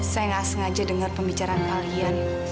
saya gak sengaja denger pembicaraan kalian